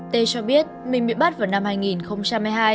tê cho biết mình bị bắt vào năm hai nghìn một mươi hai